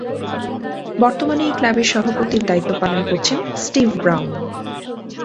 বর্তমানে এই ক্লাবের সভাপতির দায়িত্ব পালন করছেন স্টিভ ব্রাউন।